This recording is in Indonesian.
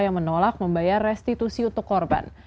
yang menolak membayar restitusi untuk korban